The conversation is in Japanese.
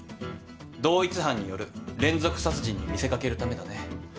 同一犯による連続殺人に見せかけるためだね。